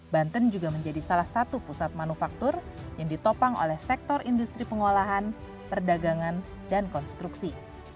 banten juga menjadi salah satu pusat manufaktur yang ditopang oleh sektor industri pengolahan perdagangan dan konstruksi